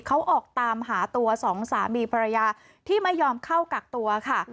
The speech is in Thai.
เขาออกตามหาตัวสองสามีภรรยาที่ไม่ยอมเข้ากักตัวค่ะ